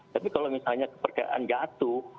tapi kalau misalnya kepercayaan jatuh